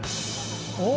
お！